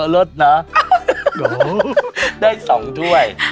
อรดนะได้สองถ้วย